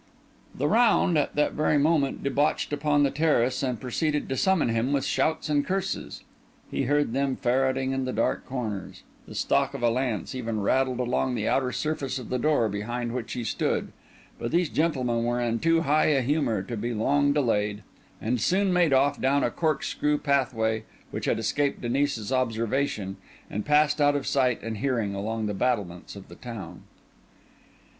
The round, at that very moment, debouched upon the terrace and proceeded to summon him with shouts and curses. He heard them ferreting in the dark corners; the stock of a lance even rattled along the outer surface of the door behind which he stood; but these gentlemen were in too high a humour to be long delayed, and soon made off down a corkscrew pathway which had escaped Denis's observation, and passed out of sight and hearing along the battlements of the town.